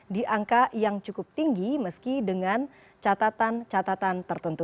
di angka yang cukup tinggi meski dengan catatan catatan tertentu